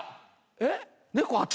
えっ？